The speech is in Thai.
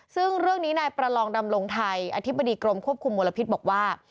ซึ่งเรื่องนี้นายประลองดำรงไทยอธิบดีกรมควบคุมมลพิษบอกว่า